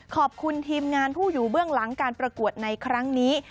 ขอบคุณทีมงานผู้อยู่เบื้องหลังการประกวดในครั้งนี้